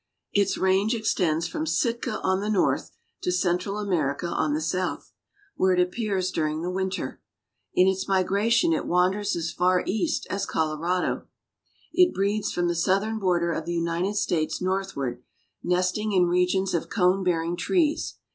Its range extends from Sitka on the north to Central America on the south, where it appears during the winter. In its migration it wanders as far east as Colorado. It breeds from the southern border of the United States northward, nesting in regions of cone bearing trees.